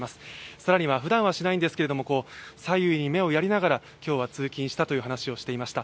さらには普段はしないんですけれども、左右に目をやりながら今日は通勤したという話をしていました。